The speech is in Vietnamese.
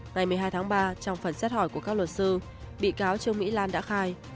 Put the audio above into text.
ngày một mươi hai tháng ba trong phần xét hỏi của các luật sư bị cáo trương mỹ lan đã khai